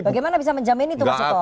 bagaimana bisa menjamin itu mas suto